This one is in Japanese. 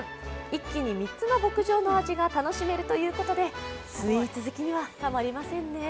一気に３つの牧場の味が楽しめるということでスイーツ好きにはたまりませんね。